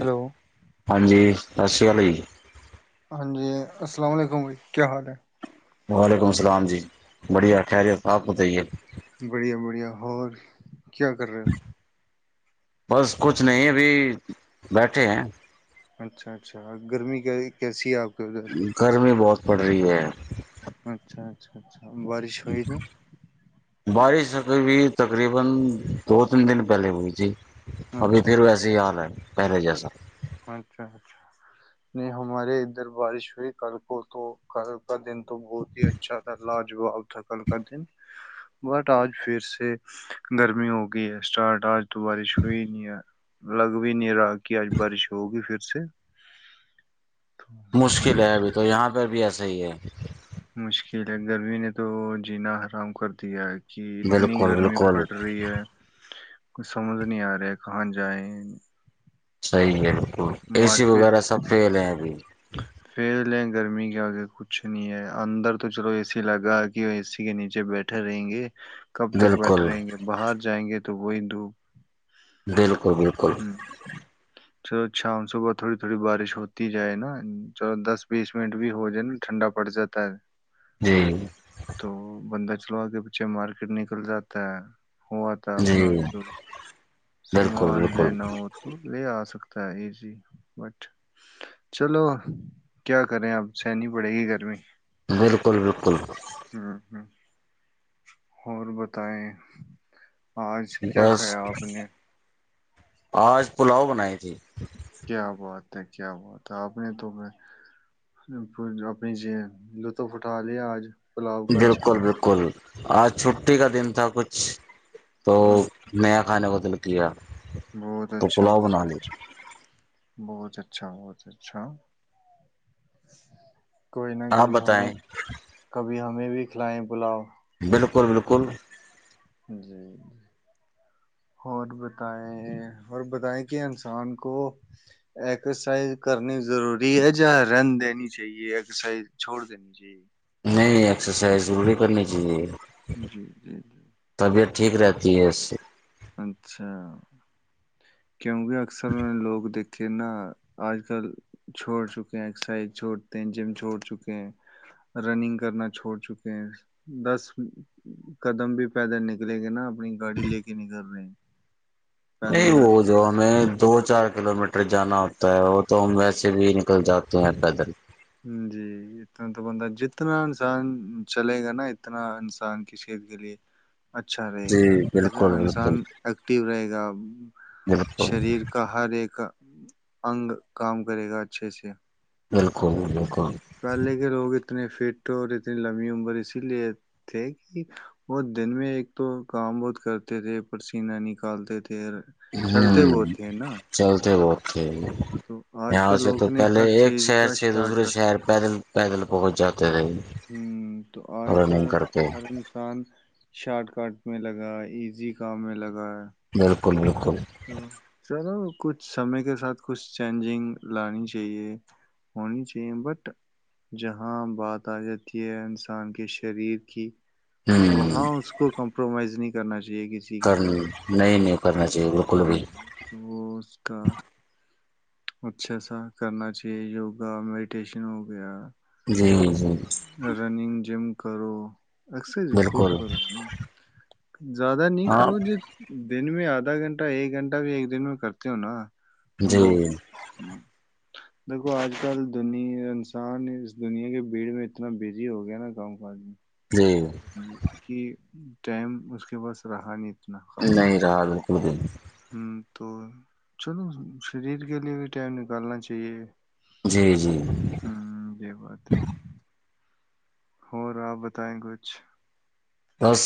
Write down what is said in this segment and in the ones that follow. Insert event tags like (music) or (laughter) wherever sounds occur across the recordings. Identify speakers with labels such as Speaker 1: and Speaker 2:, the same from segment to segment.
Speaker 1: hello
Speaker 2: ہاں جی رسیال
Speaker 1: جی اسلام علیکم کیا حال ہے
Speaker 2: وعلیکم السلام جی بڑھیا خیریت آپ بت ہیے
Speaker 1: بڑھیا بڑھیا ہوور کیا کر رہے ہو
Speaker 2: بس کچھ نہیں ابھی بیٹھے ہیں
Speaker 1: اچھا اچھا گرمی کیسی ہے آپ کے ادھر
Speaker 2: گھر میں بہت پڑ رہی ہے
Speaker 1: (inaudible) بارش ہو نہیں
Speaker 2: بارش تقریبا دو تین دن پہلے ہوئی تھی ابھی
Speaker 1: اچھا
Speaker 2: پھر ویسے ہی حال ہے پہلے جیسا
Speaker 1: اچھا اچھا نہیں ہمارے ادھر بارش ہوئی کل کو تو کل کا دن تو بہت ہی اچھا تھا لاجواب تھا کل کا دن بٹ آج پھر سے گرمی ہو گئی ہے اسٹارٹ آج تو بارش ہوئی نہیں ہے لگ بھی نہیں رہا کہ آج بارش تو ہوگی پھر سے
Speaker 2: مشکل
Speaker 1: تو
Speaker 2: ہے ابھی تو یہاں پہ بھی ایسا ہی ہے
Speaker 1: مشکل ہے گرمی نے تو جینا آرام کر دیا ہے کہ اتنی
Speaker 2: بالکل
Speaker 1: گرمی
Speaker 2: بالکل
Speaker 1: پڑ رہی ہے کچ سمجھ نہیں آ رہا ہے کہاں جائ
Speaker 2: صحیح ہے اے سی وغیرہ سب پھیلے ہیں ابھی
Speaker 1: فیل ہے گرمی کے آگے کچھ نہیں ہے اندر تو چلو اے سی لگا کہ وہ اے سی کے نیچے بیٹھے رہیں گے کب تک
Speaker 2: بالکل
Speaker 1: بیٹھے رہیں گے باہر جائیں گے تو تو وہ ہندو
Speaker 2: بالکل (inaudible)
Speaker 1: چلو شام صبح تھوڑی تھوڑی بارش ہوتی جائے نا چ دس بیس منٹ بھی ہو جائے نا ٹھنڈا پڑ جاتا ہے
Speaker 2: جی
Speaker 1: تو بندہ لوگوں کے پیچھے مارکیٹ نکل جاتا ہے ہوا تھا
Speaker 2: جی
Speaker 1: اپنا جو بھی
Speaker 2: بالکل
Speaker 1: سامان
Speaker 2: بالکل
Speaker 1: لینا ہو تو لے آ سکتے ایزی بٹ چلو کیا کریں اب سہنی پڑے گی گرمی
Speaker 2: بالکل بالکل
Speaker 1: ہ ہ اور بتائیں آج کیا
Speaker 2: بس
Speaker 1: کھایا آپ نے
Speaker 2: آج پلاؤ بنائی تھی
Speaker 1: کیا بات ہے کیا بات ہے آپ نے تو میں اپنی لط پ اٹا لیا آج پلاؤ کا اچھے
Speaker 2: بالکل
Speaker 1: سے
Speaker 2: بالکل آج چھٹی کا دن تھا کچھ تو
Speaker 1: اچھا
Speaker 2: نیا خانے بدل دیاار
Speaker 1: بہت اچھا بہت اچھا بہت اچھا بہت اچھا کوئی نہ
Speaker 2: آپ
Speaker 1: کبھی ہمیں
Speaker 2: بتائیں
Speaker 1: کبھی ابھی ہمیں بھی کھلائیں پلاؤ
Speaker 2: بالکل بالکل
Speaker 1: جی جی اور بتائیں اور بتائیں کہ انسان کو ایکسرسائز کرنی ضروری ہے یا رن دینی چاہیے ایکسرسائز چھوڑ دینی چاہیے
Speaker 2: نہیں ایکسرسائز ضروری کرنی چاہیے
Speaker 1: جی جی جی
Speaker 2: طبیعت ٹھیک رہتی ہے اس سے
Speaker 1: اچھا کیونکہ اکثر لگ دیک کہ نا آج کل چھوڑ چکے ہیں ایکسرسائز چھوڑتے ہیں جم چھوڑ چکے ہیں رننگ کرنا چھوڑ چکے ہیں دس قدم بھی پیدل نکلیں گے نا اپنی گاڑی لے کے نہیں کر رہے
Speaker 2: نہیں وہ جو ہمیں دو چار کلو میٹر جانا ہوتا ہے وہ تو ہم ویسے بھی نکل جاتے ہیں پیدل
Speaker 1: جی اتنا تو بندہ جتنا انسان چلے گا نا اتنا انسان کی شت کے لیے اچھا رہے
Speaker 2: جی
Speaker 1: گا ا
Speaker 2: بالکل
Speaker 1: انسان
Speaker 2: بالکل
Speaker 1: ایکٹیو رہے گا
Speaker 2: بالکل
Speaker 1: شریر کا ہر ایک انگ کام کرے گا اچھے سے
Speaker 2: بالکل بالکل
Speaker 1: پہلے کے لوگ ا اتنے فٹ اور اتنی لمبی عمر اسی لیے تھے کہ وہ دن میں ایک تو کام بہت کرتے تھے پسینہ نکالتے تھے
Speaker 2: ہوں
Speaker 1: چلتے وہ تھے نا
Speaker 2: چلتے بہت
Speaker 1: تو آج
Speaker 2: یہاں
Speaker 1: کل
Speaker 2: سے تو
Speaker 1: لوگ نے
Speaker 2: پہلے
Speaker 1: ہر
Speaker 2: ایک
Speaker 1: چیز
Speaker 2: شہر
Speaker 1: کا
Speaker 2: سے دوسرے شہر پیدل پیدل پہنچ جا
Speaker 1: ہوں تو آج کال
Speaker 2: کر کے
Speaker 1: ہر انسان شارٹ کٹ میں لگا ایزی کام میں لگا ہے
Speaker 2: بالکل بالکل
Speaker 1: تو چلو کچھ سمے کے ساتھ کچھ چینجنگ لانی چاہیے ہونی چاہیے بٹ جہاں بات آ جاتی ہے انسان کے شریر کی
Speaker 2: ہوں
Speaker 1: وہاں اس کو کمپرومائز نہیں کرنا چاہیے کسی کے
Speaker 2: کر
Speaker 1: ساتھ
Speaker 2: نہیں نہیں کرنا (inaudible)
Speaker 1: ہ
Speaker 2: بھی
Speaker 1: تو وہ اس کا اچھا سا کرنا چاہیے یوگا میڈیٹیشن ہو گیا
Speaker 2: جی ج جی
Speaker 1: رننگ جم کرو اکثر جی خوب
Speaker 2: بالکل
Speaker 1: کرو زیادہ نہیں
Speaker 2: ہاں
Speaker 1: کرو ج دن میں آد آدھا گھنٹہ ایک گھنٹہ بھی ایک دن میں کرتی ہوں نا تو
Speaker 2: جی
Speaker 1: بہت ہے ہ دیکھو آج کل دن انسان اس دنیا کے اسپیڑ میں اتنا بزی ہو گیا ناںال
Speaker 2: جی
Speaker 1: میں کرنا کہ ٹائم اس کے پاس رہا نہیں تھا
Speaker 2: نہیں رہا بالکل دن
Speaker 1: ہوں تو چلو شریر کے لیے بھی ٹائم نکالنا چاہیے
Speaker 2: جی جی
Speaker 1: ہوں یہ بات ہے ہو رہا آپ بتائیں کچھ
Speaker 2: بس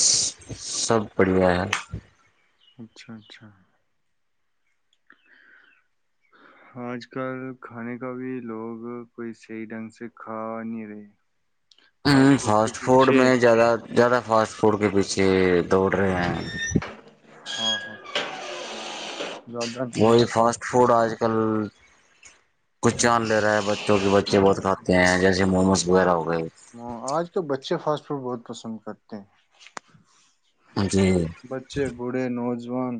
Speaker 2: سب بڑھیا ہے
Speaker 1: اچھا اچھا آج کل کھانے کا بھی لوگ کوئی صحی ڈھنگ سے کھا نہیں رہے
Speaker 2: ہ فاسٹ فوڈ میں زیادہ زیادہ
Speaker 1: ہاں
Speaker 2: فاسٹ فوڈ کے پیچے کہ دوڑ رہے ہیں
Speaker 1: ہاں ہاں
Speaker 2: وہی فاسٹ فوڈ آج کل کچھ چان لے رہا ہے بچوں کے بچے بہت کھاتے ہیں جیسے موموس ویرا
Speaker 1: ہ آج تو بچے فاسٹ و بہت پسند کرتے ہیں
Speaker 2: جی
Speaker 1: بچے بوڑھے نوج ان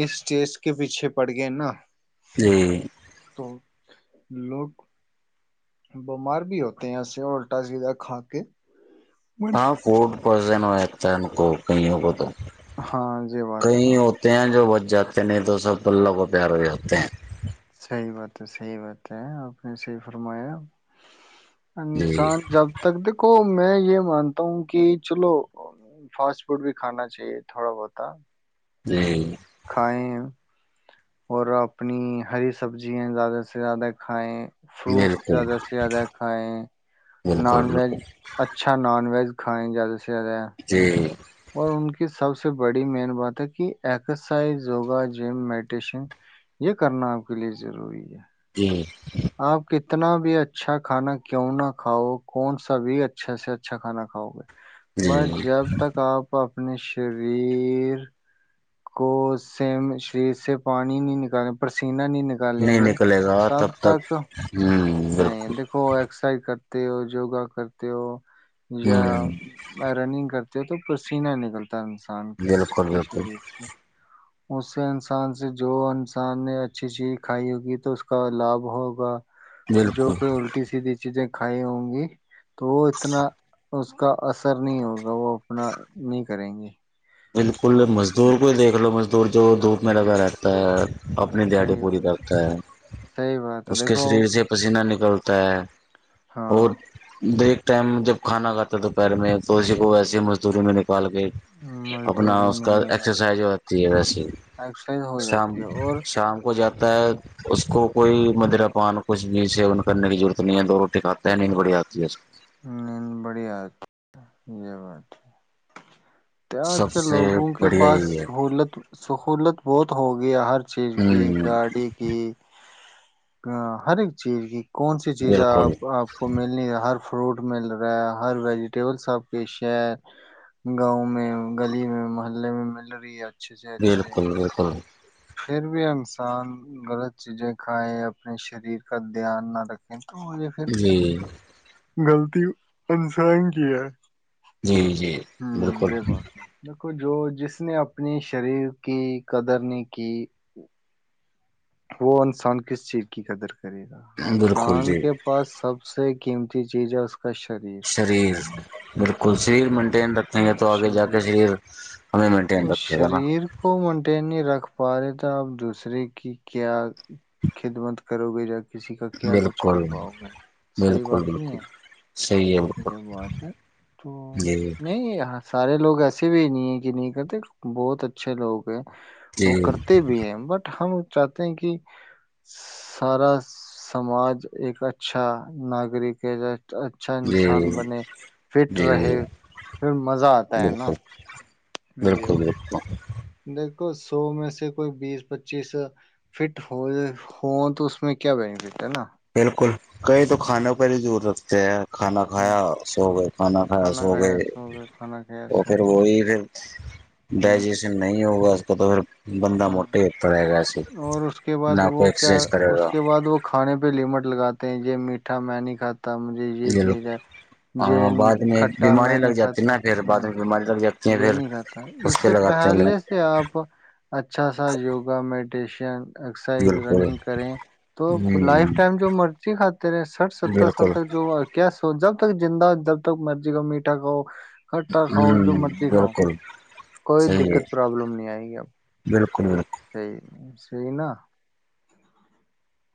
Speaker 1: اس چیز کے پیچھے پڑ گئے نا
Speaker 2: جی
Speaker 1: تو لوگ بیمار بھی ہوتے ہیں ای سے الٹا سیدھا کھا کے بٹ
Speaker 2: ہاں فورڈ پزن ہو تن کو کہوں کو تو
Speaker 1: ہاں یہ بات ہے
Speaker 2: کئی
Speaker 1: نا
Speaker 2: ہوتے ہیں جو جاتے نہیں تو سب ب ل و پیارے بھی ہوتے ہیں
Speaker 1: صحی بات ہے صحیح بات ہے آپ نے صحی فرمایا
Speaker 2: جی
Speaker 1: انسان جب تک دیکھو میں یہ مانتا ہوں کہ چلو فاسٹ فوڈ بھی کھانا چاہیے تھوڑا بہت
Speaker 2: جی
Speaker 1: کھائیں اور اپنی ہری سبزیا زیادہ سے زیادہ کھائیں فروٹس
Speaker 2: بالکل
Speaker 1: زیادہ سے زیادہ کھائائے
Speaker 2: بالکل
Speaker 1: نان ویج
Speaker 2: بالکل
Speaker 1: اچھا نان ویج کھائیں جد
Speaker 2: جی
Speaker 1: اور ان کی سب سے بڑی مین بات ہے کہ ایکسرسائز یوگا جم میڈیٹیشن یہ کرنا آپ کے لیے ضروری ہے
Speaker 2: جی
Speaker 1: اتنا بھی اچھا کھانا کیوں نہ کھاؤ کون سا بھی اچھا سے اچھا کھانا کھاؤ گے
Speaker 2: جی
Speaker 1: مگر
Speaker 2: نہیں
Speaker 1: جب تک آپ اپنے شریر کو سے شریر سے پانی نہیں نکالنے پر سنے
Speaker 2: نہیں نکلے گا تب تک ہ
Speaker 1: نہیں دیکھو ایکسر س کر تے ہو یوگا کرتے ہو یا
Speaker 2: ہوں
Speaker 1: رننگ کرتے تو پسینہ نکلتا انسان
Speaker 2: بالکل
Speaker 1: کے
Speaker 2: بالکل
Speaker 1: شریر سے اس سے انسان سے جو انسان نے اچھی چیز کھائی ہوگی تو اس کا لابھ ہوگا جو
Speaker 2: بالکل
Speaker 1: کوئی الٹی سیدھی چیزیں کھائی ہوں گی تو اتنا اس کا اثر نہیں ہوگا وہ اپنا نہیں کریں گے تو
Speaker 2: بالکل
Speaker 1: ہوں،
Speaker 2: مزدور کو ہی دیکھ لو م تو جو دھپ میں لگا رہتا ہے اپنی دیاڑی
Speaker 1: صحیح
Speaker 2: پوری
Speaker 1: بات
Speaker 2: کرتا ہے
Speaker 1: صحیح بات ہے
Speaker 2: اس کے
Speaker 1: دیکھو
Speaker 2: شریر سے پسیینہ نکلتا ت
Speaker 1: ہاں
Speaker 2: اور دیک ٹائم جب کھانا کاتا تو پیر میں تو اسی کو ویسی مزدوری میں پال گئی اپنا
Speaker 1: مزدوری
Speaker 2: اس
Speaker 1: میں
Speaker 2: کا ایکسرسائز
Speaker 1: نکالتا
Speaker 2: ہوتی ہے ویسیے ہی
Speaker 1: ایکسرسائز ہو
Speaker 2: شام
Speaker 1: جاتی ہے اور
Speaker 2: شام کو جاتا ہے
Speaker 1: ہوں،
Speaker 2: اس کو کوئی مدرا پان کچھ بھی سیون کرنے کی ضرورت نہیں ہے دو روٹی کھاتا ہے نہیں بڑی آتی ہے
Speaker 1: نیند بڑی آات یہ بات ہے آج
Speaker 2: سب
Speaker 1: ک
Speaker 2: سے
Speaker 1: لوگوں کے
Speaker 2: بڑھیا
Speaker 1: پاس
Speaker 2: یہی ہے
Speaker 1: سہولت سہولت بہت ہو گیا ہر چیز کی
Speaker 2: ہوں
Speaker 1: گاڑی کی ا ہر ایک چیز کی کون سی چیزیں
Speaker 2: بالکل
Speaker 1: آپ آپ کو ملنی ہے ہر فروٹ مل رہا ہر ویجیٹیبل سب کے ش ہے گاؤں میں گلی میں محلے میں مل رہی ہے اچھے سے اچھے
Speaker 2: بالکل بالکل
Speaker 1: پھر بھی انسان غلط چیزیں کھائے اپنے شریر کا دھیان نہ رکھے
Speaker 2: جی
Speaker 1: غلطی انسان کی ہے
Speaker 2: جی جی
Speaker 1: ہوں
Speaker 2: بالکل
Speaker 1: یہ بات ہے دیکھو جو جس نے اپنی شریر کی قدر نے کہ وہ انسان کس چیز کی قدر کر کر گا
Speaker 2: بالکل
Speaker 1: انسان
Speaker 2: جی
Speaker 1: کے پاس سب سے قیمتی چیز ہے
Speaker 2: شریر بالکل شریر
Speaker 1: تو
Speaker 2: مینٹین رکھیں گے تو آگے جا کے شریر ہمیں مینٹین
Speaker 1: اس
Speaker 2: رکھے گا نا
Speaker 1: شریر کو منٹ نہیں رکھ پا رہے تو آپ دوسرے کی کیا خدمت کرو گے ج کہ کسی کا کیا کچھ
Speaker 2: بالکل
Speaker 1: کر پاؤ گے صحیح
Speaker 2: بالکل
Speaker 1: بات نہیں
Speaker 2: بالکل صحیح
Speaker 1: ہے
Speaker 2: بالکل
Speaker 1: یہ بات ہے تو
Speaker 2: جی
Speaker 1: نہیں یہاں سے سارے لوگ ایسے بھی نہیں ہیں یہ نہیں کرتے بہت اچھے لوگ ہیں وہ
Speaker 2: جی
Speaker 1: کرتے بھی ہیں بٹ ہم چاہتے ہیں کہ سارا سماج ایک اچھا ناگرک ہے اچھا انسان
Speaker 2: جی
Speaker 1: بنے فٹ
Speaker 2: جی
Speaker 1: رہے پھر مزہ آتا ہے نا
Speaker 2: بالکل بالکل
Speaker 1: مجھے
Speaker 2: بالکل
Speaker 1: دیکھو سو میں سے کوئی بیس پچیس فٹ ہو ہو تو اس میں کیا بینفٹ ہے نا
Speaker 2: بالکل کئی تو کھانے پر ہی دور رکھتے ہیں کھانا
Speaker 1: ہوں
Speaker 2: کھایا سو گئے کھانا خاس ہو
Speaker 1: کھایا
Speaker 2: گئے
Speaker 1: سو کھانا کھایا
Speaker 2: تو
Speaker 1: سو
Speaker 2: پھر
Speaker 1: گئے
Speaker 2: وہی پھر (unintelligible) جچ (inaudible)
Speaker 1: ہوں
Speaker 2: ڈائجیشن نہیں ہوگا کطور (inaudible)
Speaker 1: ہاں اور اس کے بعد
Speaker 2: نہ کوئی
Speaker 1: وہ کیا
Speaker 2: ایکسرسائز کرے
Speaker 1: اس
Speaker 2: گا
Speaker 1: کے بعد وہ کھانے پہ لمٹ لگاتے ہیں یہ میٹھا میں نہیں کھاتا مجھے یہ چیز ہے
Speaker 2: ہاں بعد
Speaker 1: یہ
Speaker 2: میں
Speaker 1: کھٹٹا
Speaker 2: بیماری
Speaker 1: میں
Speaker 2: لگ
Speaker 1: نہیں
Speaker 2: جاتی ہے
Speaker 1: کھاتا
Speaker 2: نا پھر بعد
Speaker 1: ہ
Speaker 2: میں بیماری لگ جاتی ہے
Speaker 1: یہ
Speaker 2: پھر
Speaker 1: نہیں کھاتا اس
Speaker 2: پہ
Speaker 1: سے
Speaker 2: لگاتے ہیں
Speaker 1: پہلے سے آپ اچھا سا یوگا میں میڈٹیشن (unintelligible) اسرسائز
Speaker 2: بالکل
Speaker 1: رننگ کریں تو لائف
Speaker 2: ہ
Speaker 1: ٹائم جو مرضی کھاتے رہے سٹھ ستر سال
Speaker 2: بالکل
Speaker 1: تک جو کیا تو جب تک زندہ جب تک مرضی کا میٹھا کا کھٹا کھاؤ جو
Speaker 2: ہوں
Speaker 1: مرضی کھاؤ
Speaker 2: بالکل
Speaker 1: کوئی
Speaker 2: صحیح ہے
Speaker 1: دقت پرابلم نہیں آئے گی اب
Speaker 2: بالکل بالکل (unintelligible)
Speaker 1: سی نا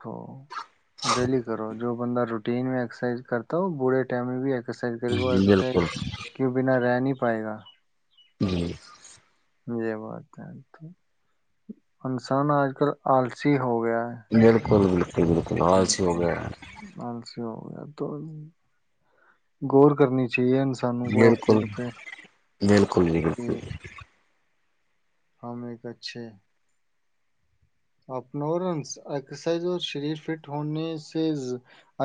Speaker 1: تو (inaudible) ڈلی کرو (unintelligible) جو بند روٹین میں ا ایکسرسائز کرتا ہو بڑے ٹم بھی رسائز کر
Speaker 2: بالکل
Speaker 1: گرائز
Speaker 2: بالکل
Speaker 1: کیوں بنا رہانی پر پائے گا (inaudible)
Speaker 2: جی (inaudible)
Speaker 1: میرے بان تو انسان آج کل آلسی ہو گیا ہے
Speaker 2: ک نظاچ ہووگ
Speaker 1: ہوں
Speaker 2: (unintelligible)
Speaker 1: آلسی ہو گیا تو ور کرنیاہ (unintelligible)
Speaker 2: نیر کول نل کول جگ ہے (unintelligible)
Speaker 1: کہ ہم ایک اچھے اپننس ایکسرسائز اور شریر فٹ ہونے سے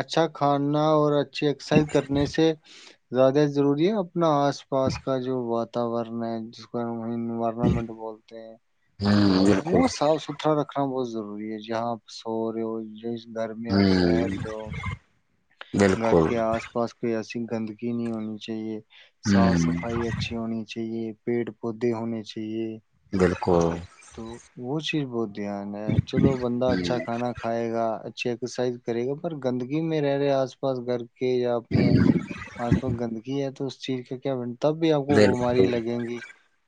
Speaker 1: اچھا کھانا اور یہ ایکسائز کرنے سے (unintelligible) زیادہ ضروری ہے اب نہ آس پاس کا جو بات ورن ہے جس کو ن (inaudible) انوائرمنٹ بولتے ہیں وہ
Speaker 2: بالکل
Speaker 1: صاف ستا (unintelligible) بہت ضروری ہے جہاں سور گرمیاں پر رہ
Speaker 2: ہوں
Speaker 1: رہی ہو گھر
Speaker 2: بالکل
Speaker 1: کے آس پاس کے ایسے گندگی نہیں ہونی چاہیے صاف
Speaker 2: ہوں
Speaker 1: صفائی اچھی ہونی چاہیے پیڑ پودے ہونے چاہیے
Speaker 2: بالکل
Speaker 1: تو (inaudible) دھیان ہے چلو بندہ اچھا کھانا کھائے گا سرسائز کرے گا پر گندگی میں میں رہے آس پس گھر کہ یا اپنے آس پاس گندگی ہے تو اس چیری تب بھی آپ
Speaker 2: بالکل ہوں
Speaker 1: کو بیماری
Speaker 2: بالکل
Speaker 1: لگیں گی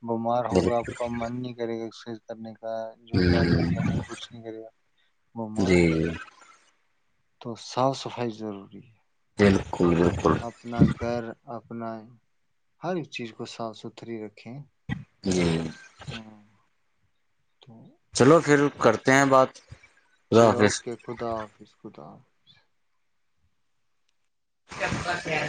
Speaker 1: بمار ہوگا
Speaker 2: بالکل
Speaker 1: آپ
Speaker 2: ہوں
Speaker 1: کا من نہیں کرے گا اس کرنے یگا ررن کرنے کچھ نہیں کر گ بیمار
Speaker 2: جی
Speaker 1: ہوگا تو صاف صفائی اٹھائی ضروری ہے
Speaker 2: کل بالکل بالکل
Speaker 1: اپنیں ہر ایک چیز کو صاف ستھری رکھ ہاں
Speaker 2: جی
Speaker 1: تو
Speaker 2: چلو پھر کرتے (inaudible)
Speaker 1: جی
Speaker 2: حافظ
Speaker 1: اوکے خدا حافظ خدا حظ
Speaker 2: ع